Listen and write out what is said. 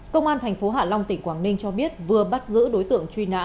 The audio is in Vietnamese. công an tp hạ long tỉnh quảng ninh cho biết vừa bắt giữ đối tượng truy nã